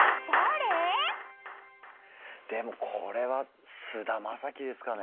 でもこれは菅田将暉ですかね。